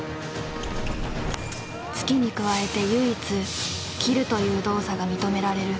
突きに加えて唯一「斬る」という動作が認められる。